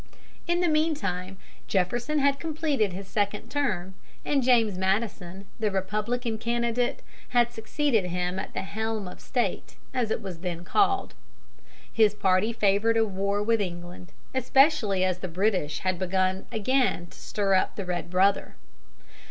In the mean time, Jefferson had completed his second term, and James Madison, the Republican candidate, had succeeded him at the helm of state, as it was then called. His party favored a war with England, especially as the British had begun again to stir up the red brother.